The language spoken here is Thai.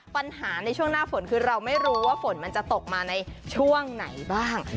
ปัญหาในช่วงหน้าฝนคือเราไม่รู้ว่าฝนมันจะตกมาในช่วงไหนบ้าง